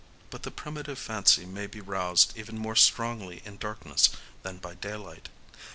But the primitive fancy may be roused even more strongly in darkness than by daylight.